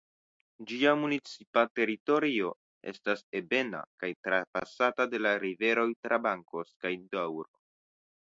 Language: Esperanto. Ĝia municipa teritorio estas ebena kaj trapasata de la riveroj Trabancos kaj Doŭro.